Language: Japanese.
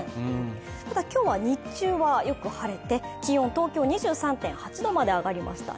ただ、今日は日中はよく晴れて気温は東京２３．８度まで上がりました。